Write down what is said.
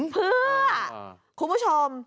เพื่อคุณผู้ชม